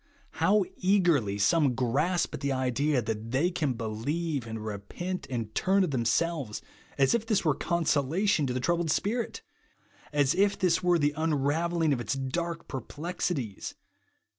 How eagerly some grasp at the idea, that they can beheve, and repent, and turn of themselves, as if this were consolation to the troubled spirit 1 as if this were the un ravelling of its dark perplexities